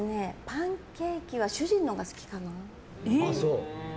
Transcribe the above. パンケーキは主人のほうが好きかな。